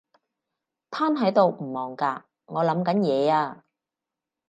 癱喺度唔忙㗎？我諗緊嘢呀